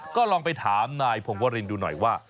ก็ลองไปถามนายพงวรินดูหน่อยว่า